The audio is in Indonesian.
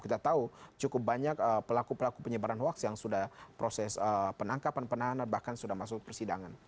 kita tahu cukup banyak pelaku pelaku penyebaran hoax yang sudah proses penangkapan penahanan bahkan sudah masuk persidangan